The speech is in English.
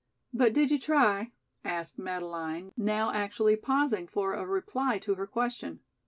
"But did you try?" asked Madeleine, now actually pausing for a reply to her question.